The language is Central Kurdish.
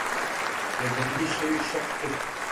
بێدەنگیی شەوی شەق کرد.